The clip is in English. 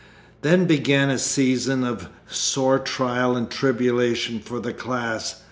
Then began a season of sore trial and tribulation for the class.